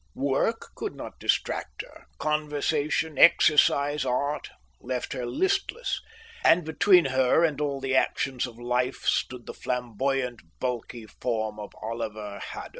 Work could not distract her, conversation, exercise, art, left her listless; and between her and all the actions of life stood the flamboyant, bulky form of Oliver Haddo.